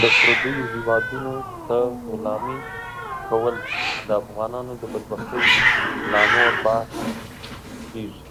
د پردیو هیوادونو ته غلامي کول د افغانانو د بدبختۍ لا نور باعث کیږي .